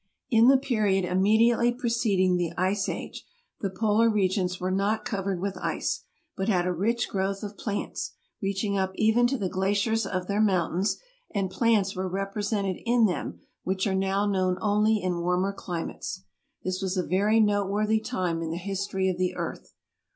In the period immediately preceding the ice age the polar regions were not covered with ice, but had a rich growth of plants, reaching up even to the glaciers of their moun tains, and plants were represented in them which are now known only in warmer countries. This was a very note worthy time in the history of the earth.